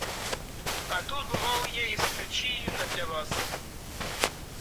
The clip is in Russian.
А тут бывал я исключительно для вас.